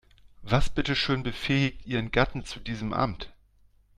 Was bitteschön befähigt ihren Gatten zu diesem Amt?